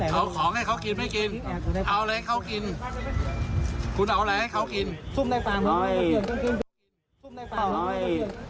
เอาของให้เขากินไม่กินเอาอะไรให้เขากินคุณเอาอะไรให้เขากินซุ่มได้ตามหรือไม่